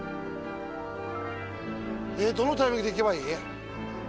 どのタイミングで行けばいい？